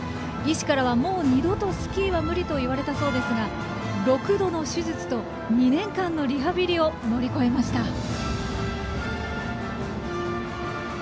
医師からは「もう二度とスキーは無理」と言われたそうですが６度の手術と２年間のリハビリを乗り越えました。